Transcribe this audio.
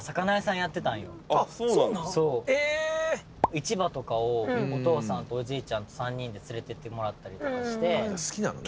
市場とかをお父さんとおじいちゃんと３人で連れてってもらったりとかして。